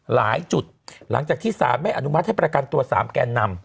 หลายจุดหลังจากที่สารไม่อนุมัติให้ประกันตัว๓แกนนำ